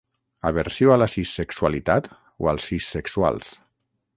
Aversió a la cissexualitat o als cissexuals.